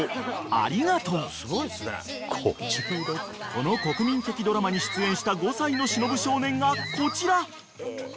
［この国民的ドラマに出演した５歳の忍少年がこちら］